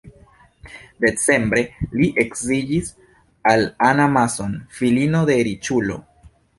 Decembre li edziĝis al Anna Mason, filino de riĉulo.